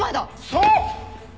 そう！